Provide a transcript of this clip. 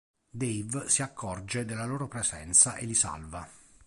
Dave si accorge della loro presenza e li salva.